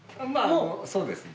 そうですね。